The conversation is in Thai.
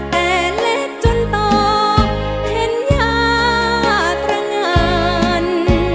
แต่เล็กจนตอบเห็นยาตรงาน